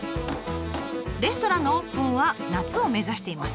レストランのオープンは夏を目指しています。